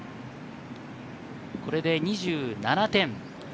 これで２７点。